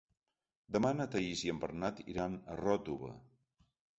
Demà na Thaís i en Bernat iran a Ròtova.